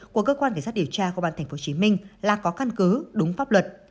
của cơ quan cảnh sát điều tra công an tp hcm là có căn cứ đúng pháp luật